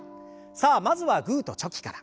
さあまずはグーとチョキから。